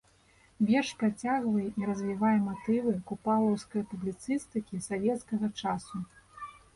Верш працягвае і развівае матывы купалаўскае публіцыстыкі савецкага часу.